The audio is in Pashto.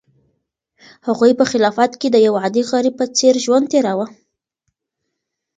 هغوی په خلافت کې د یو عادي غریب په څېر ژوند تېراوه.